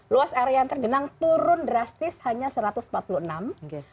luas area yang tergenang turun drastis hanya satu ratus empat puluh enam g